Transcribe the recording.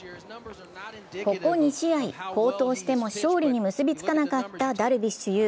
ここ２試合、好投しても勝利に結びつかなかったダルビッシュ有。